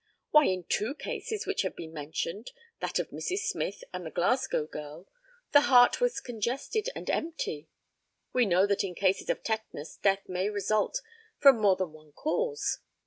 Why, in two cases which have been mentioned that of Mrs. Smyth and the Glasgow girl the heart was congested and empty. We know that in cases of tetanus death may result from more than one cause.